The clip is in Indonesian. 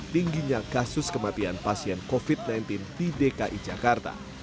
tingginya kasus kematian pasien covid sembilan belas di dki jakarta